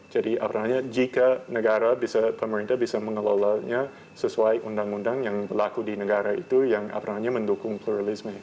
jadi apalagi jika negara bisa pemerintah bisa mengelolanya sesuai undang undang yang berlaku di negara itu yang mendukung pluralisme